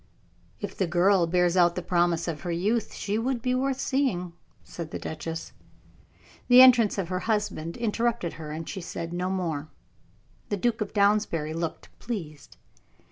"If the girl bears out the promise of her youth, she would be worth seeing," said the duchess. The entrance of her husband interrupted her, and she said no more. The Duke of Downsbury looked pleased.